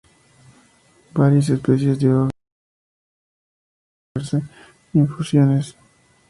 Varias especies de hojas de acebo se utilizan para hacer infusiones.